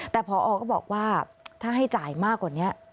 แต่พอก็บอกว่าถ้าให้จ่ายมากกว่านี้